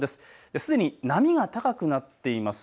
すでに波は高くなっています。